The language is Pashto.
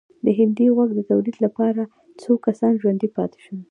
د هندي غوز د تولید لپاره څو کسان ژوندي پاتې شول.